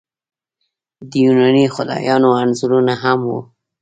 د یوناني خدایانو انځورونه هم وو